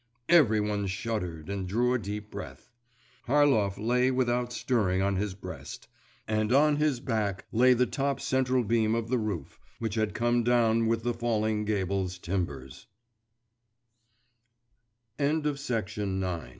Every one shuddered and drew a deep breath.… Harlov lay without stirring on his breast, and on his back lay the top central beam of the roof, which had come down with the falling gable's tim